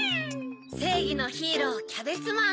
せいぎのヒーローキャベツマン。